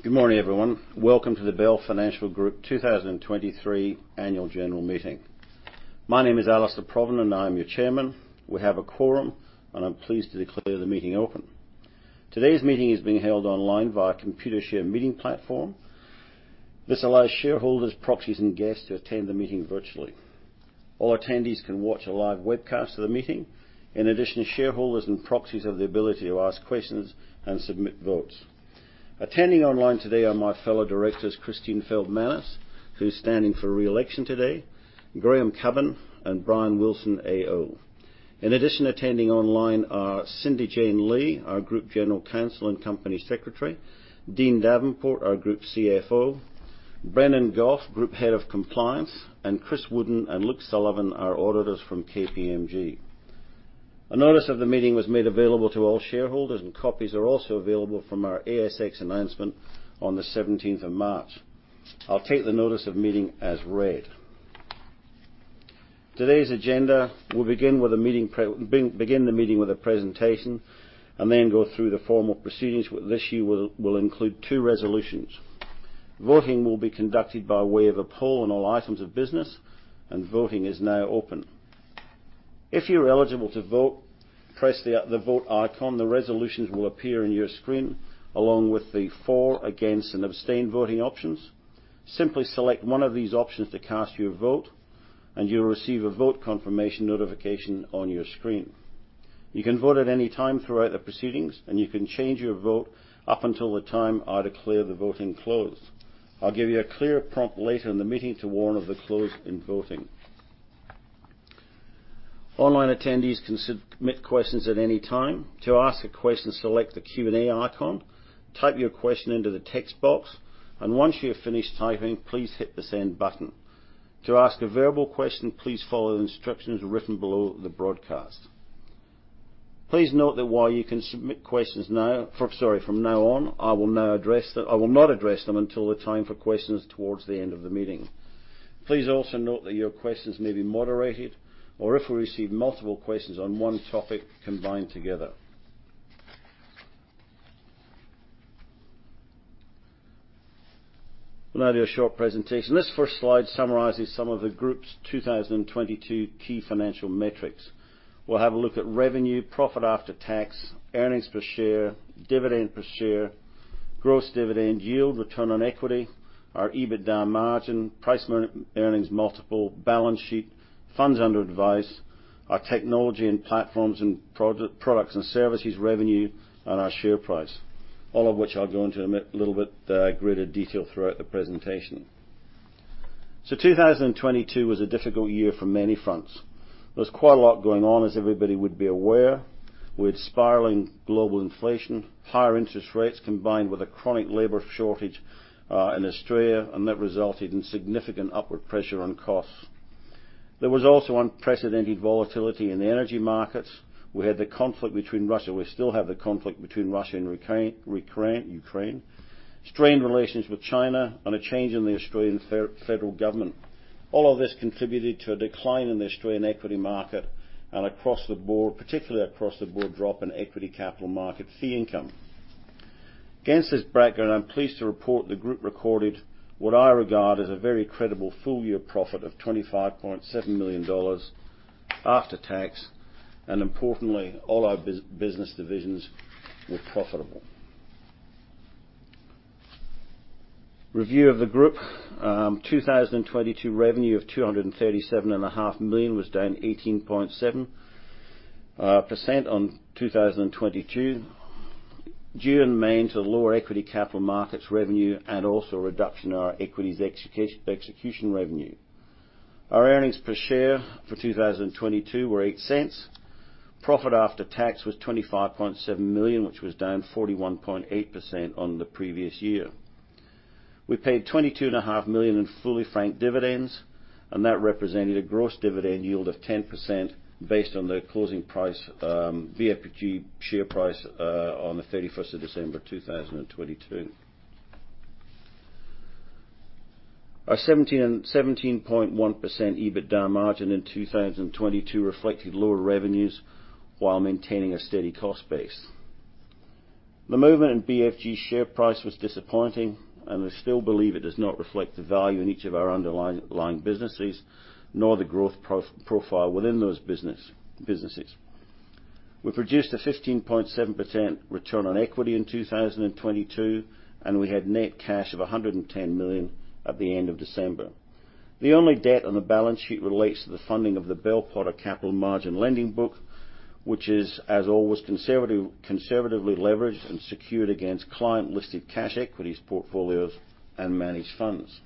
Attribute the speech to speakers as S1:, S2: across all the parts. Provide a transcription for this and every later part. S1: Good morning, everyone. Welcome to the Bell Financial Group 2023 Annual General Meeting. My name is Alastair Provan, and I'm your Chairman. We have a quorum, and I'm pleased to declare the meeting open. Today's meeting is being held online via Computershare meeting platform. This allows shareholders, proxies, and guests to attend the meeting virtually. All attendees can watch a live webcast of the meeting. In addition to shareholders and proxies have the ability to ask questions and submit votes. Attending online today are my fellow directors, Christine Feldmanis, who's standing for re-election today, Graham Cubbin, and Brian Wilson AO. In addition, attending online are Cindy-Jane Lee, our Group General Counsel and Company Secretary; Dean Davenport, our Group CFO; Brendan Goff, Group Head of Compliance; and Chris Wooden and Luke Sullivan, our auditors from KPMG. A notice of the meeting was made available to all shareholders. Copies are also available from our ASX announcement on the 17th of March. I'll take the notice of meeting as read. Today's agenda will begin the meeting with a presentation and then go through the formal proceedings. This year, we'll include two resolutions. Voting will be conducted by way of a poll on all items of business. Voting is now open. If you're eligible to vote, press the vote icon. The resolutions will appear in your screen, along with the for, against, and abstain voting options. Simply select one of these options to cast your vote. You'll receive a vote confirmation notification on your screen You can vote at any time throughout the proceedings, and you can change your vote up until the time I declare the voting closed. I'll give you a clear prompt later in the meeting to warn of the close in voting. Online attendees can submit questions at any time. To ask a question, select the Q&A icon, type your question into the text box, and once you have finished typing, please hit the Send button. To ask a verbal question, please follow the instructions written below the broadcast. Please note that while you can submit questions now, sorry, from now on, I will not address them until the time for questions towards the end of the meeting. Please also note that your questions may be moderated, or if we receive multiple questions on one topic, combined together. To a short presentation. This first slide summarizes some of the group's 2022 key financial metrics. We'll have a look at revenue, profit after tax, earnings per share, dividend per share, gross dividend yield, return on equity, our EBITDA margin, price earnings multiple, balance sheet, funds under advice, our technology and platforms and products and services revenue, and our share price. All of which I'll go into a little bit greater detail throughout the presentation. 2022 was a difficult year for many fronts. There was quite a lot going on, as everybody would be aware, with spiraling global inflation, higher interest rates, combined with a chronic labor shortage in Australia, and that resulted in significant upward pressure on costs. There was also unprecedented volatility in the energy markets. We had the conflict between Russia. We still have the conflict between Russia and Ukraine, strained relations with China, and a change in the Australian Federal Government. All of this contributed to a decline in the Australian equity market and across the board, particularly across the board drop in equity capital market fee income. Against this background, I'm pleased to report the group recorded what I regard as a very credible full year profit of 25.7 million dollars after tax, and importantly, all our business divisions were profitable. Review of the group. 2022 revenue of two hundred and thirty-seven and a half million was down 18.7% on 2022, due in main to lower equity capital markets revenue and also a reduction in our equities execution revenue. Our earnings per share for 2022 were 0.08. Profit after tax was 25.7 million, which was down 41.8% on the previous year. We paid 22.5 million in fully franked dividends. That represented a gross dividend yield of 10% based on the closing price, BFG share price, on the 31st of December 2022. Our 17.1% EBITDA margin in 2022 reflected lower revenues while maintaining a steady cost base. The movement in BFG share price was disappointing. We still believe it does not reflect the value in each of our underlying businesses, nor the growth profile within those businesses. We produced a 15.7% return on equity in 2022. We had net cash of 110 million at the end of December. The only debt on the balance sheet relates to the funding of the Bell Potter Capital Margin Lending Book, which is, as always, conservative, conservatively leveraged and secured against client-listed cash equities, portfolios, and managed funds.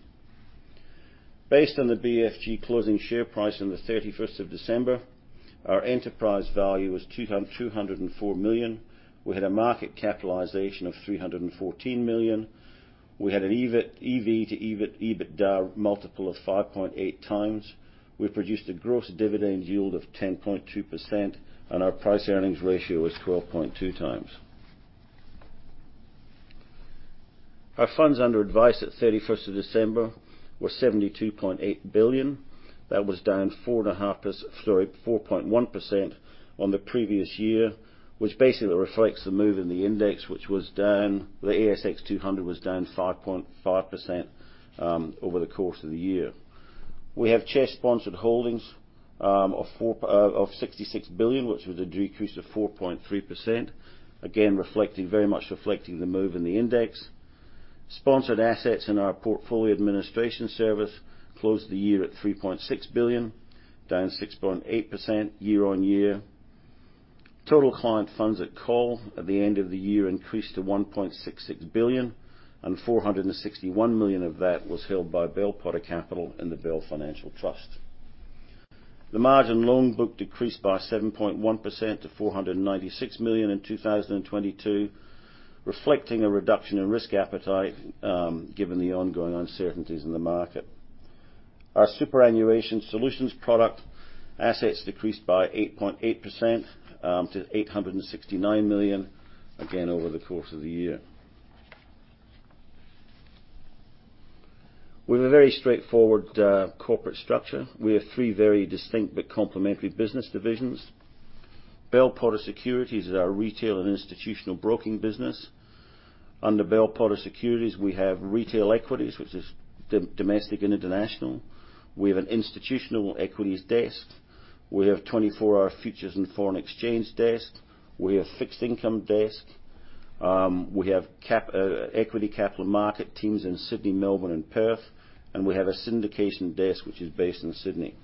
S1: Based on the BFG closing share price on the 31st of December, our enterprise value was 204 million. We had a market capitalization of 314 million. We had an EV to EBITDA multiple of 5.8 times. We produced a gross dividend yield of 10.2%, and our price earnings ratio is 12.2 times. Our funds under advice at 31st of December were 72.8 billion. That was down sorry, 4.1% on the previous year, which basically reflects the move in the index, which was down. The S&P/ASX 200 was down 5.5% over the course of the year. We have CHESS sponsored holdings of 66 billion, which was a decrease of 4.3%, again, very much reflecting the move in the index. Sponsored assets in our Portfolio Administration Service closed the year at 3.6 billion, down 6.8% year-on-year. Total client funds at call at the end of the year increased to 1.66 billion and 461 million of that was held by Bell Potter Capital and the Bell Financial Trust. The margin loan book decreased by 7.1% to 496 million in 2022, reflecting a reduction in risk appetite given the ongoing uncertainties in the market. Our superannuation solutions product assets decreased by 8.8% to 869 million, again, over the course of the year. We have a very straightforward corporate structure. We have three very distinct but complementary business divisions. Bell Potter Securities is our retail and institutional broking business. Under Bell Potter Securities, we have retail equities, which is domestic and international. We have an institutional equities desk. We have 24-hour futures and foreign exchange desk. We have fixed income desk. We have equity capital market teams in Sydney, Melbourne, and Perth, and we have a syndication desk which is based in Sydney.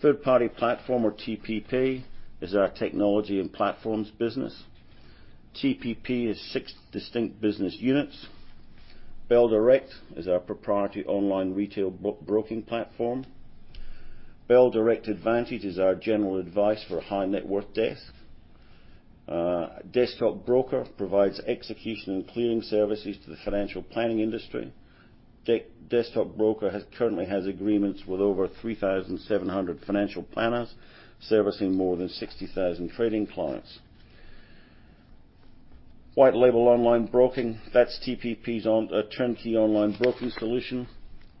S1: Third Party Platform or TPP is our technology and platforms business. TPP is six distinct business units. Bell Direct is our proprietary online retail broking platform. Bell Direct Advantage is our general advice for a high net worth desk. Desktop Broker provides execution and clearing services to the financial planning industry. Desktop Broker currently has agreements with over 3,700 financial planners servicing more than 60,000 trading clients. White label online broking, that's TPP's turnkey online broking solution.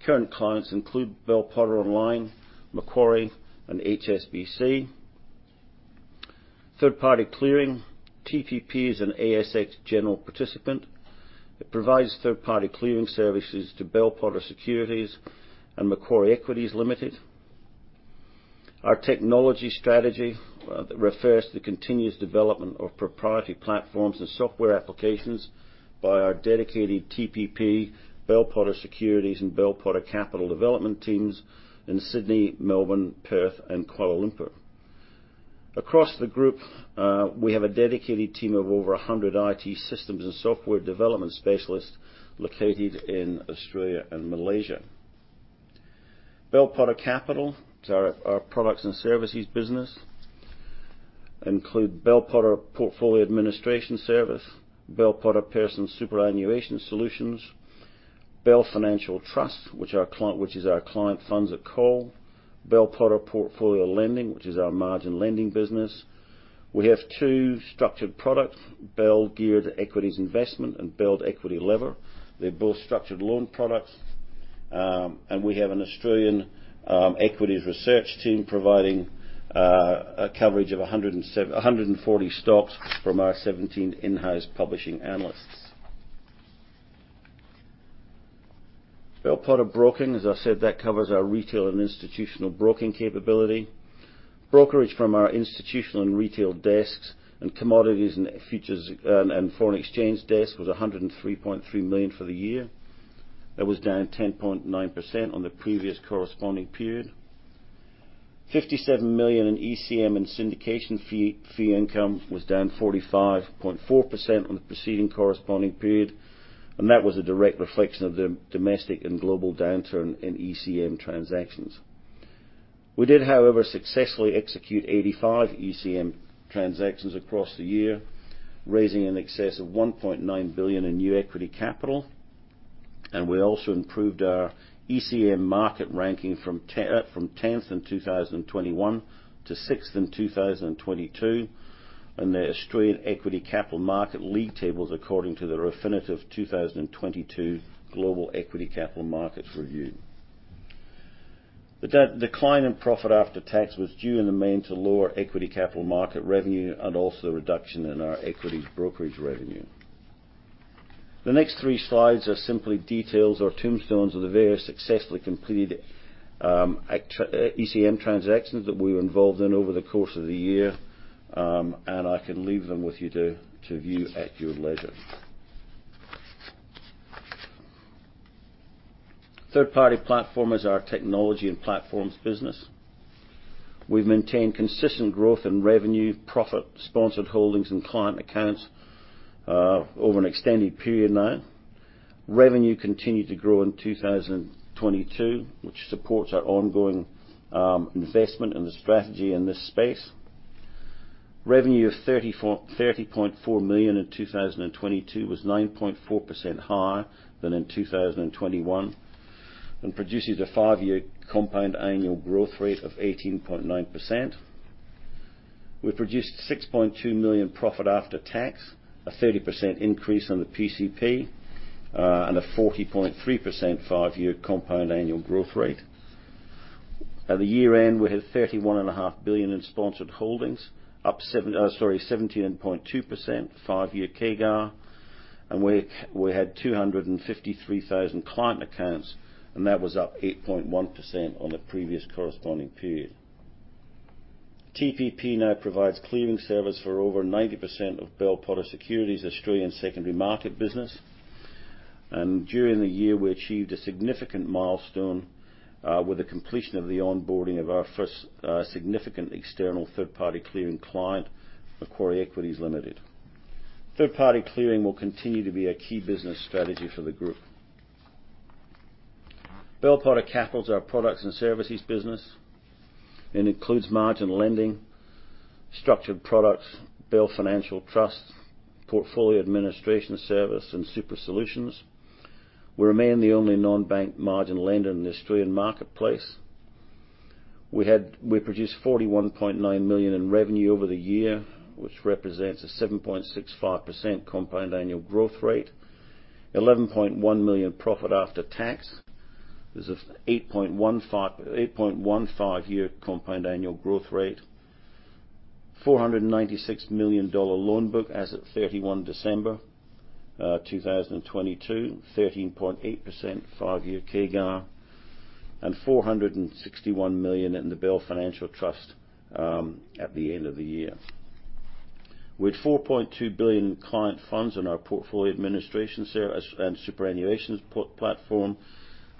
S1: Current clients include Bell Potter Online, Macquarie, and HSBC. Third-party clearing. TPP is an ASX General Participant. It provides third-party clearing services to Bell Potter Securities and Macquarie Equities Limited. Our technology strategy refers to the continuous development of proprietary platforms and software applications by our dedicated TPP, Bell Potter Securities, and Bell Potter Capital development teams in Sydney, Melbourne, Perth, and Kuala Lumpur. Across the group, we have a dedicated team of over 100 IT systems and software development specialists located in Australia and Malaysia. Bell Potter Capital is our products and services business. Include Bell Potter Portfolio Administration Service, Bell Potter Personal Superannuation Solutions, Bell Financial Trust, which is our client funds at Call, Bell Potter Portfolio Lending, which is our margin lending business. We have two structured products, Bell Geared Equities Investment and Bell Equity Lever. They're both structured loan products. We have an Australian equities research team providing a coverage of 140 stocks from our 17 in-house publishing analysts. Bell Potter Broking, as I said, that covers our retail and institutional broking capability. Brokerage from our institutional and retail desks and commodities and futures and foreign exchange desk was 103.3 million for the year. That was down 10.9% on the previous corresponding period. 57 million in ECM and syndication fee income was down 45.4% on the preceding corresponding period, and that was a direct reflection of the domestic and global downturn in ECM transactions. We did, however, successfully execute 85 ECM transactions across the year, raising in excess of 1.9 billion in new equity capital, and we also improved our ECM market ranking from 10th in 2021 to 6th in 2022 in the Australian Equity Capital Market League Tables according to the Refinitiv 2022 Global Equity Capital Markets Review. The decline in profit after tax was due in the main to lower equity capital market revenue and also a reduction in our equity brokerage revenue. The next three slides are simply details or tombstones of the various successfully completed ECM transactions that we were involved in over the course of the year. I can leave them with you to view at your leisure. Third Party Platform is our technology and platforms business. We've maintained consistent growth in revenue, profit, sponsored holdings and client accounts over an extended period now. Revenue continued to grow in 2022, which supports our ongoing investment and the strategy in this space. Revenue of 30.4 million in 2022 was 9.4% higher than in 2021, produces a five-year compound annual growth rate of 18.9%. We produced 6.2 million profit after tax, a 30% increase on the PCP, and a 40.3% five-year compound annual growth rate. At the year-end, we had 31.5 billion in sponsored holdings, up 17.2% five-year CAGR. We had 253,000 client accounts, and that was up 8.1% on the previous corresponding period. TPP now provides clearing service for over 90% of Bell Potter Securities' Australian secondary market business. During the year, we achieved a significant milestone with the completion of the onboarding of our first significant external third-party clearing client, Macquarie Equities Limited. Third-party clearing will continue to be a key business strategy for the group. Bell Potter Capital is our products and services business, includes margin lending, structured products, Bell Financial Trust, Portfolio Administration Service, and Super Solutions. We remain the only non-bank margin lender in the Australian marketplace. We produced $41.9 million in revenue over the year, which represents a 7.65% compound annual growth rate. $11.1 million profit after tax. There's an 8.15 year compound annual growth rate. $496 million loan book as at 31 December 2022. 13.8% five-year CAGR, $461 million in the Bell Financial Trust at the end of the year. With 4.2 billion client funds in our Portfolio Administration Service and superannuation platform,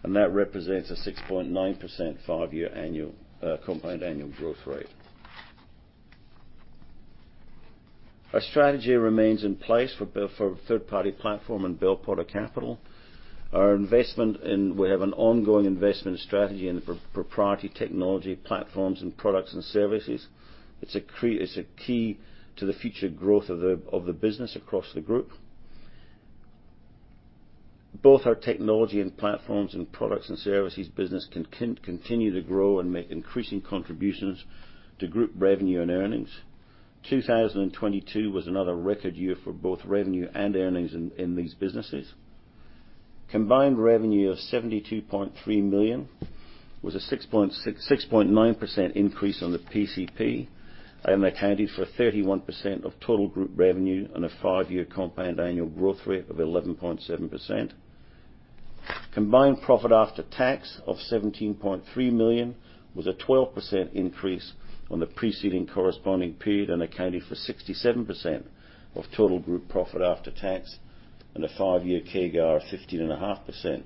S1: and that represents a 6.9% 5-year annual compound annual growth rate. Our strategy remains in place for Third Party Platform and Bell Potter Capital. We have an ongoing investment strategy in the proprietary technology platforms and products and services. It's a key to the future growth of the business across the Group. Both our technology and platforms and products and services business continue to grow and make increasing contributions to Group revenue and earnings. 2022 was another record year for both revenue and earnings in these businesses. Combined revenue of 72.3 million was a 6.9% increase on the PCP, and accounted for 31% of total Group revenue on a 5-year compound annual growth rate of 11.7%. Combined profit after tax of 17.3 million was a 12% increase on the preceding corresponding period and accounted for 67% of total Group profit after tax and a 5-year CAGR of 15.5%.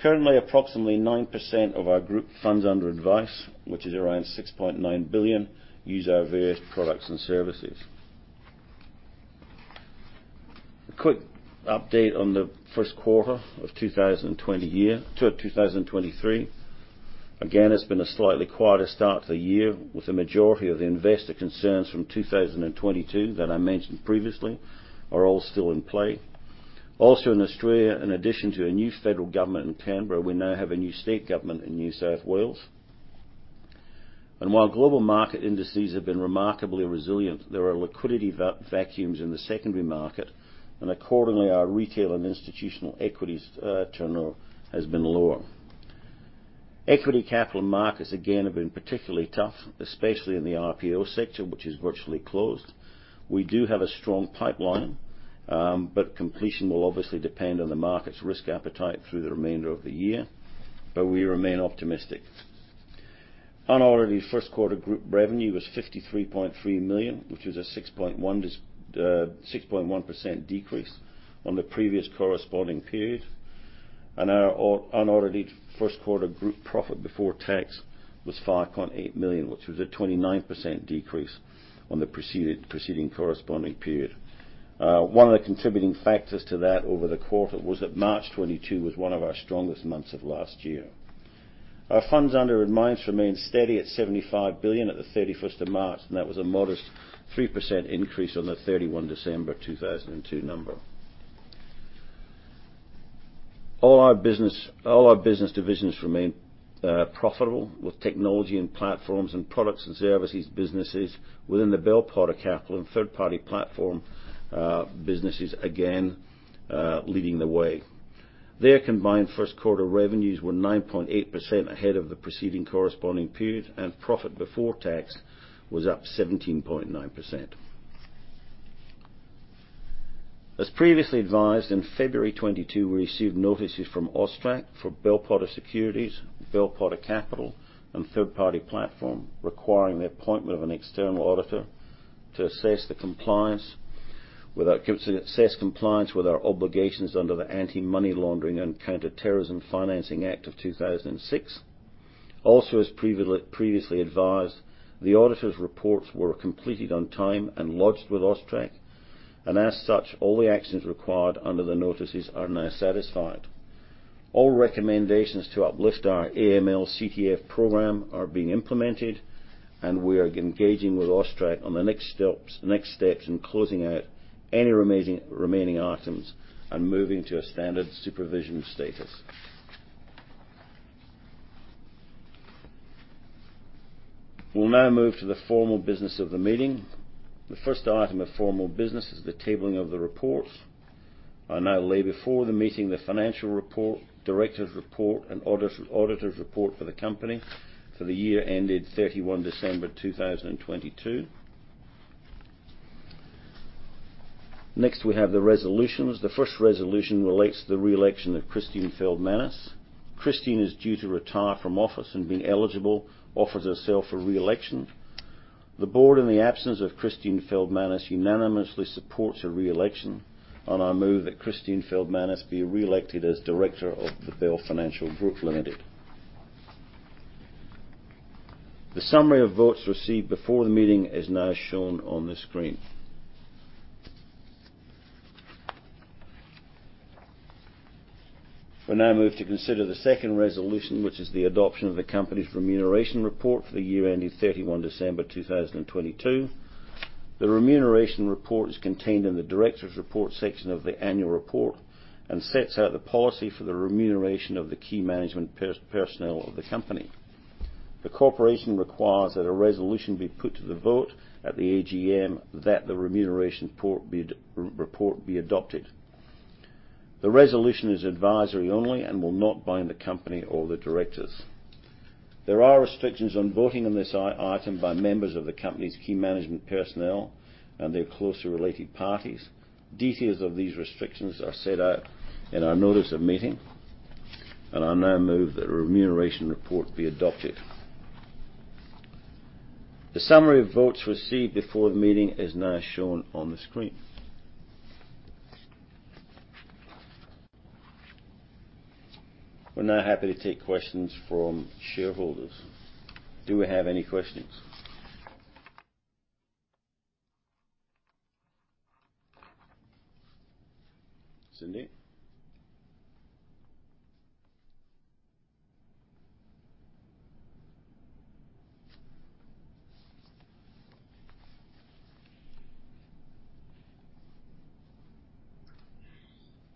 S1: Currently, approximately 9% of our Group funds under advice, which is around 6.9 billion, use our various products and services. A quick update on the first quarter of 2020 year to 2023. It's been a slightly quieter start to the year with the majority of the investor concerns from 2022 that I mentioned previously are all still in play. In Australia, in addition to a new federal government in Canberra, we now have a new state government in New South Wales. While global market indices have been remarkably resilient, there are liquidity vacuums in the secondary market, and accordingly, our retail and institutional equities turnover has been lower. Equity capital markets, again, have been particularly tough, especially in the IPO sector, which is virtually closed. We do have a strong pipeline, but completion will obviously depend on the market's risk appetite through the remainder of the year, but we remain optimistic. Unaudited first quarter Group revenue was 53.3 million, which was a 6.1% decrease on the previous corresponding period. Our unaudited first quarter Group profit before tax was 5.8 million, which was a 29% decrease on the preceding corresponding period. One of the contributing factors to that over the quarter was that March 2022 was one of our strongest months of last year. Our funds under administration remained steady at 75 billion at the 31st of March, and that was a modest 3% increase on the 31 December 2002 number. All our business divisions remain profitable with technology and platforms and products and services businesses within the Bell Potter Capital and Third Party Platform businesses again leading the way. Their combined first quarter revenues were 9.8% ahead of the preceding corresponding period, and profit before tax was up 17.9%. As previously advised, in February 2022, we received notices from AUSTRAC for Bell Potter Securities, Bell Potter Capital, and Third Party Platform requiring the appointment of an external auditor to assess compliance with our obligations under the Anti-Money Laundering and Counter-Terrorism Financing Act 2006. As previously advised, the auditors' reports were completed on time and lodged with AUSTRAC, and as such, all the actions required under the notices are now satisfied. All recommendations to uplift our AML/CTF program are being implemented. We are engaging with AUSTRAC on the next steps in closing out any remaining items and moving to a standard supervision status. We'll now move to the formal business of the meeting. The first item of formal business is the tabling of the reports. I now lay before the meeting the financial report, directors report, and auditor's report for the company for the year ended 31 December 2022. Next, we have the resolutions. The first resolution relates to the reelection of Christine Feldmanis. Christine is due to retire from office and being eligible, offers herself for reelection. The board, in the absence of Christine Feldmanis, unanimously supports her reelection. I move that Christine Feldmanis be reelected as director of the Bell Financial Group Limited. The summary of votes received before the meeting is now shown on the screen. We now move to consider the second resolution, which is the adoption of the company's remuneration report for the year ended 31 December 2022. The remuneration report is contained in the directors report section of the annual report and sets out the policy for the remuneration of the key management personnel of the company. The corporation requires that a resolution be put to the vote at the AGM that the remuneration report be adopted. The resolution is advisory only and will not bind the company or the directors. There are restrictions on voting on this item by members of the company's key management personnel and their closely related parties. Details of these restrictions are set out in our notice of meeting, and I now move that the remuneration report be adopted. The summary of votes received before the meeting is now shown on the screen. We're now happy to take questions from shareholders. Do we have any questions? Cindy?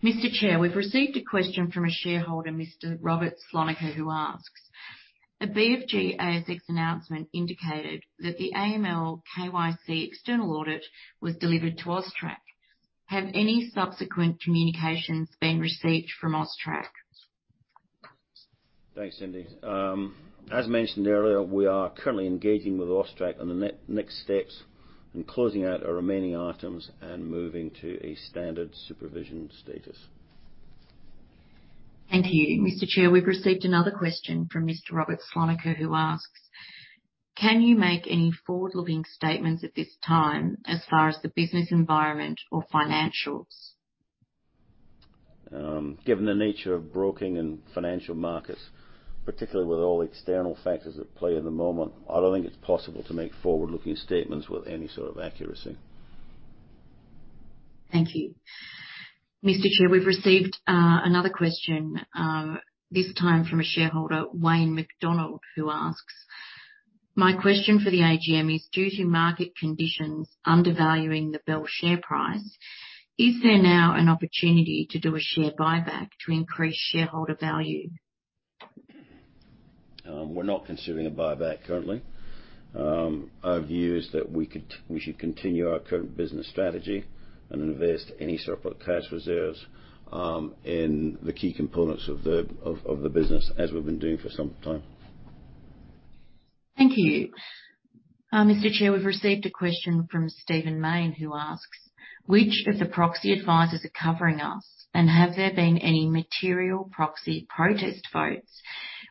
S2: Mr. Chair, we've received a question from a shareholder, Mr. Robert Sloniker, who asks, "A BFG ASX announcement indicated that the AML KYC external audit was delivered to AUSTRAC. Have any subsequent communications been received from AUSTRAC?
S1: Thanks, Cindy. As mentioned earlier, we are currently engaging with AUSTRAC on the next steps in closing out our remaining items and moving to a standard supervision status.
S2: Thank you. Mr. Chair, we've received another question from Mr. Robert Sloniker, who asks, "Can you make any forward-looking statements at this time as far as the business environment or financials?
S1: Given the nature of broking and financial markets, particularly with all the external factors at play at the moment, I don't think it's possible to make forward-looking statements with any sort of accuracy.
S2: Thank you. Mr. Chair, we've received, another question, this time from a shareholder, Wayne McDonald, who asks, "My question for the AGM is due to market conditions undervaluing the Bell share price, is there now an opportunity to do a share buyback to increase shareholder value?
S1: We're not considering a buyback currently. Our view is that we should continue our current business strategy and invest any surplus cash reserves, in the key components of the business, as we've been doing for some time.
S2: Thank you. Mr. Chair, we've received a question from Stephen Mayne who asks, "Which of the proxy advisors are covering us, and have there been any material proxy protest votes?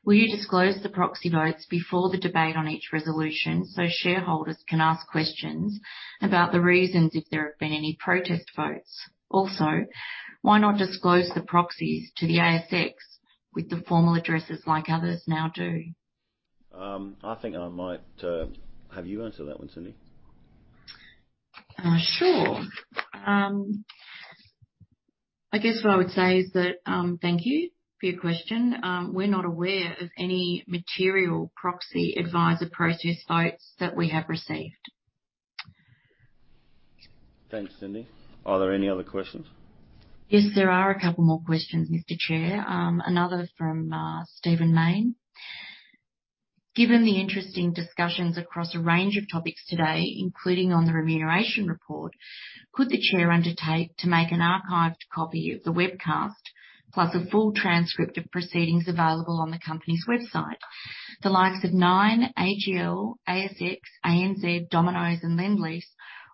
S2: Will you disclose the proxy votes before the debate on each resolution so shareholders can ask questions about the reasons if there have been any protest votes? Why not disclose the proxies to the ASX with the formal addresses like others now do?
S1: I think I might, have you answer that one, Cindy.
S2: Sure. I guess what I would say is that, thank you for your question. We're not aware of any material proxy advisor protest votes that we have received.
S1: Thanks, Cindy. Are there any other questions?
S2: Yes, there are a couple more questions, Mr. Chair. another from Stephen Mayne. "Given the interesting discussions across a range of topics today, including on the remuneration report, could the chair undertake to make an archived copy of the webcast plus a full transcript of proceedings available on the company's website? The likes of Nine, AGL, ASX, ANZ, Domino's and Lendlease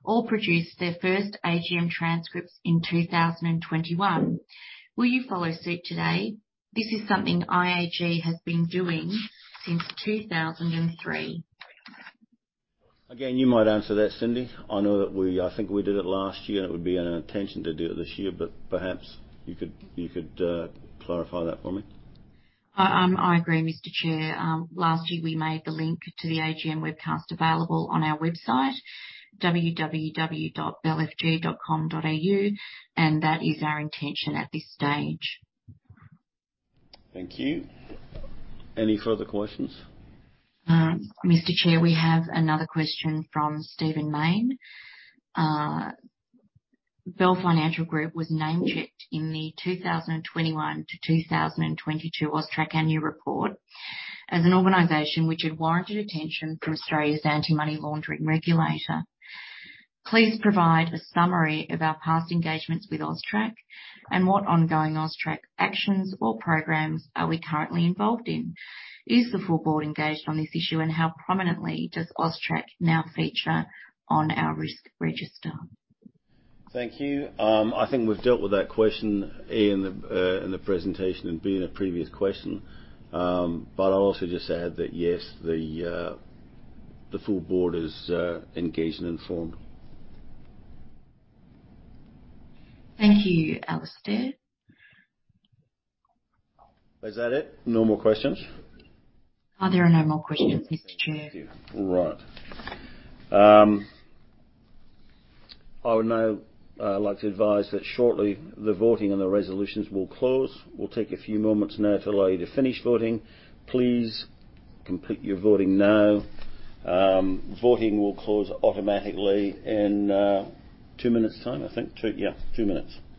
S2: all produced their first AGM transcripts in 2021. Will you follow suit today? This is something IAG has been doing since 2003.
S1: You might answer that, Cindy. I think we did it last year, it would be an intention to do it this year, perhaps you could clarify that for me.
S2: I agree, Mr. Chair. last year, we made the link to the AGM webcast available on our website, www.bellfg.com.au, and that is our intention at this stage.
S1: Thank you. Any further questions?
S2: Mr. Chair, we have another question from Stephen Mayne. "Bell Financial Group was name-checked in the 2021 to 2022 AUSTRAC annual report as an organization which had warranted attention from Australia's anti-money laundering regulator. Please provide a summary of our past engagements with AUSTRAC and what ongoing AUSTRAC actions or programs are we currently involved in. Is the full board engaged on this issue, and how prominently does AUSTRAC now feature on our risk register?
S1: Thank you. I think we've dealt with that question, A, in the in the presentation and B, in a previous question. I'll also just add that, yes, the the full board is engaged and informed.
S2: Thank you, Alastair.
S1: Is that it? No more questions?
S2: There are no more questions, Mr. Chair.
S1: Thank you. All right. I would now like to advise that shortly the voting on the resolutions will close. We'll take a few moments now to allow you to finish voting. Please complete your voting now. Voting will close automatically in two minutes time, I think. Two, yeah, two minutes.